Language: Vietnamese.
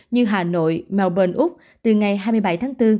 như hà nội melbourne úc từ ngày hai mươi bảy tháng bốn